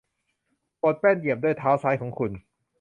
กดแป้นเหยียบด้วยเท้าซ้ายของคุณ